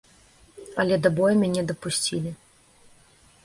Але да бою мяне дапусцілі.